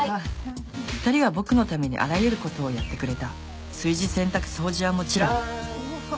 ２人は僕のためにあらゆることをやってくれた炊事洗濯掃除はもちろんジャン！